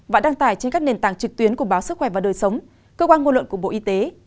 và đăng tải trên các nền tảng trực tuyến của báo sức khỏe và đời sống cơ quan ngôn luận của bộ y tế